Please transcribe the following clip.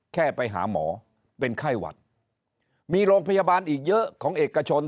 แค่ไปหาหมอเป็นไข้หวัดมีโรงพยาบาลอีกเยอะของเอกชน